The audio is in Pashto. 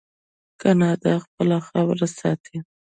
کاناډا خپله خاوره ساتي.